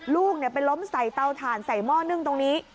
ลูกไปล้มใส่เตาถ่านใส่หม้อนึ่งตรงนี้